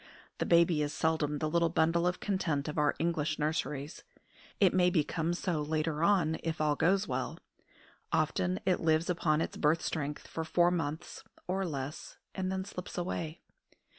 The baby is seldom the little bundle of content of our English nurseries. It may become so later on, if all goes well. Often it lives upon its birth strength for four months, or less, and then slips away.